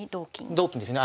同金ですね